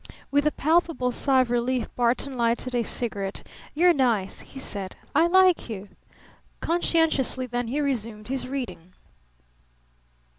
With a palpable sigh of relief Barton lighted a cigarette. "You're nice," he said. "I like you!" Conscientiously then he resumed his reading.